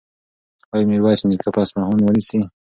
ایا میرویس نیکه به اصفهان ونیسي؟